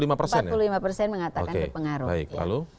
oke baik lalu